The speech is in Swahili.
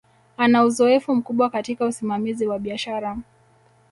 Ana uzoefu mkubwa katika usimamizi wa biashara